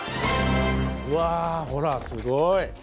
わあほらすごい。